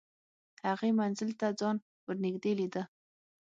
هغې منزل ته ځان ور نږدې لیده